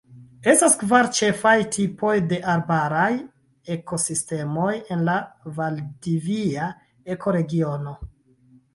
Estas kvar ĉefaj tipoj de arbaraj ekosistemoj en la valdivia ekoregiono.